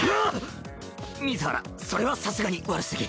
水原それはさすがに悪すぎ。